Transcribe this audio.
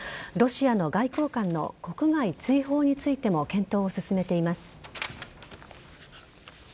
ロシアの外交官の国外追放についても検討を進めています。